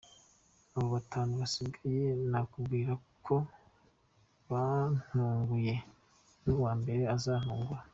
Aba batanu basigaye nakubwiye ko bantunguye, n’uwa mbere azantungura.